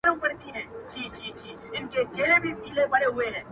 دریم پوښتنه د سرکار او د جهاد کوله!.